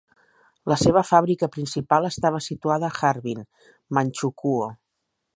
La seva fàbrica principal estava situada a Harbin, Manchukuo.